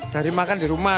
dari makan di rumah